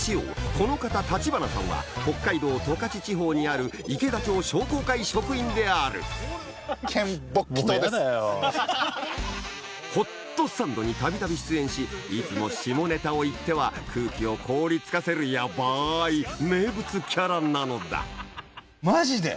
この方立花さんは北海道十勝地方にある池田町商工会職員である『ホットサンド！』に度々出演しいつも下ネタを言っては空気を凍り付かせるヤバい名物キャラなのだマジで？